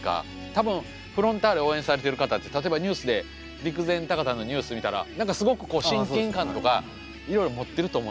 多分フロンターレ応援されている方って例えばニュースで陸前高田のニュース見たら何かすごく親近感とかいろいろ持ってると思うんですね。